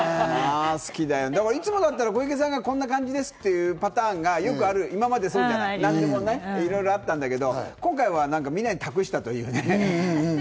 いつもだったら小池さんがこんな感じですっていうパターンが、今までそうじゃない、何でもあったんだけど、今回はみんなに託したと言うね。